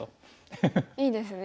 いいですね。